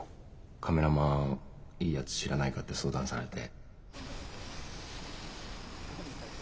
カメラマンいいやつ知らないかって相談されて。